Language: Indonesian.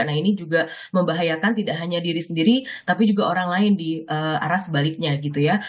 nah ini juga membahayakan tidak hanya diri sendiri tapi juga orang lain di arah sebaliknya gitu ya